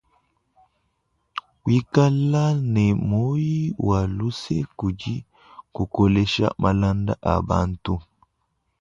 Kuikala ne moyi wa lusa kudi kukolesha malanda a bantu.